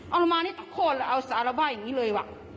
เอาละมานี่ทะโคลเอาสาระบ้าอย่างนี้เลย